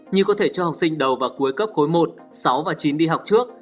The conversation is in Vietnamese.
như có thể cho học sinh đầu vào cuối cấp khối một sáu và chín đi học trước